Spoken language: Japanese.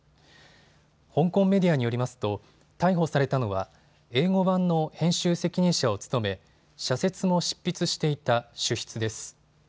香港メディアによりますと逮捕されたのは英語版の編集責任者を務め社説も執筆していた主筆です。